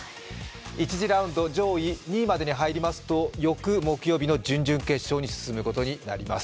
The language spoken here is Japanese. １次ラウンド上位２位までに入りますと、翌木曜日の準々決勝に進むことになります。